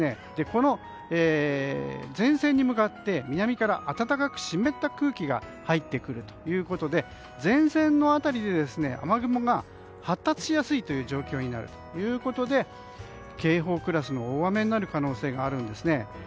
この前線に向かって南から暖かく湿った空気が入ってくるということで前線の辺りで雨雲が発達しやすい状況になるということで警報クラスの大雨になる可能性があるんです。